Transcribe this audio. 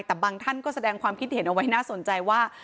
แต่บางท่านก็แสดงความคิดเห็นเอาไว้น่าสนใจว่า